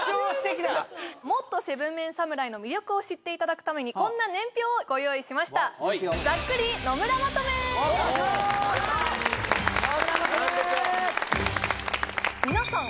もっと７ＭＥＮ侍の魅力を知っていただくためにこんな年表をご用意しました皆さん